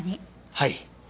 はい。